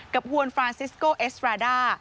กับห่วงฟรานซิสโกเอสราด้า